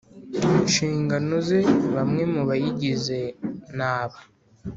nshingano ze Bamwe mu bayigize ni aba